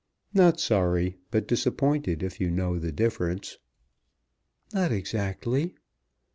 "Not sorry, but disappointed, if you know the difference." "Not exactly."